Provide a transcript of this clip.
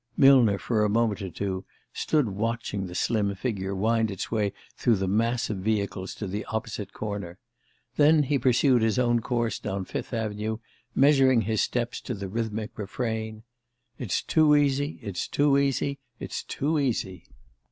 Millner, for a moment or two, stood watching the slim figure wind its way through the mass of vehicles to the opposite corner; then he pursued his own course down Fifth Avenue, measuring his steps to the rhythmic refrain: "It's too easy it's too easy it's too easy!"